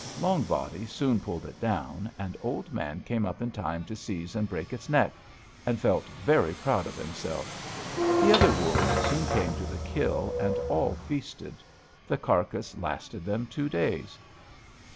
Long Body soon pulled it down, and Old Man came up in time to seize and break its neck, and felt very proud of himself. The other wolves soon came to the kill, and all feasted. The carcass lasted them two days.